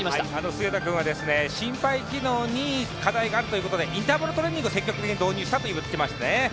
菅田君は心肺機能に課題があるということでインターバルトレーニングを積極的に導入したと言ってます。